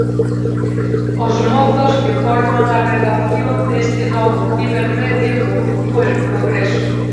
Os mozos que forman a redacción deste novo cibermedio do Grupo El Progreso.